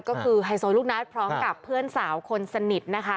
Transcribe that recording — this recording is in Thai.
ก็คือไฮโซลูกนัดพร้อมกับเพื่อนสาวคนสนิทนะคะ